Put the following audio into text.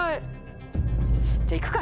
じゃあ行くか。